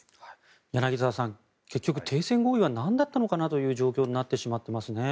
柳澤さん、結局停戦合意はなんだったのかという状況になってしまっていますね。